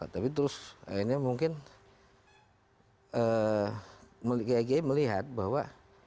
tapi terus akhirnya mungkin gia melihat bahwa